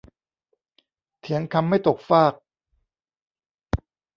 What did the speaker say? เถียงคำไม่ตกฟาก